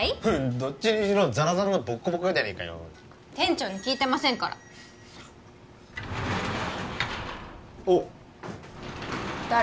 どっちにしろザラザラのボッコボコ店長に聞いてませんからおッ誰？